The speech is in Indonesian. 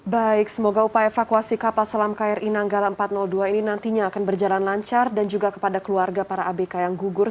baik semoga upaya evakuasi kapal selam kri nanggala empat ratus dua ini nantinya akan berjalan lancar dan juga kepada keluarga para abk yang gugur